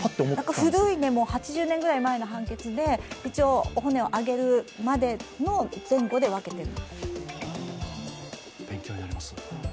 古い８０年ぐらい前の判決で一応お骨をあげるまでの前後で分けている。